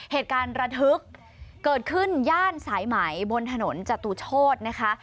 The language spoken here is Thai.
เหตุการณ์ระทึกเกิดขึ้นย่านสายไหมบนถนนจตุโชธนะคะ